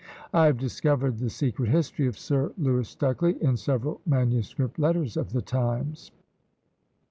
I have discovered the secret history of Sir Lewis Stucley, in several manuscript letters of the times.